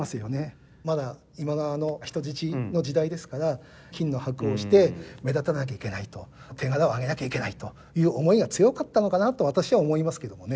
まだ今川の人質の時代ですから金の箔を着て目立たなきゃいけないと手柄を上げなきゃいけないという思いが強かったのかなと私は思いますけどもね。